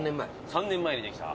３年前にできた。